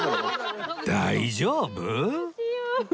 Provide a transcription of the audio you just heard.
大丈夫？